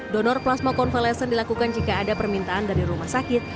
donor plasma konvalesen dilakukan jika ada permintaan dari rumah sakit